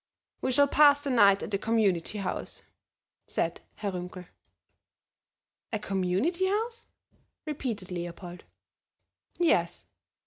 "We shall pass the night at the Community House," said Herr Runkel. "A Community House?" repeated Leopold. "Yes.